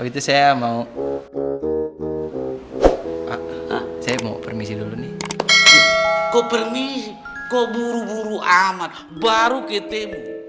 oh itu saya mau pak saya mau permisi dulu nih kok permisi kok buru buru amat baru ke temu